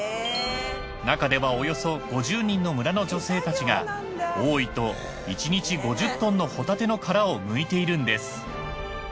中ではおよそ５０人の村の女性たちが多いと１日５０トンのホタテの殻を剥いているんです。